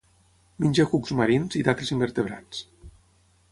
Menja cucs marins i d'altres invertebrats.